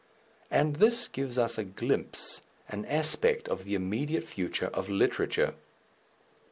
And this gives us a glimpse, an aspect of the immediate future of literature.